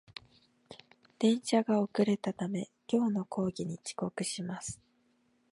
電車が遅れたため、今日の講義に遅刻します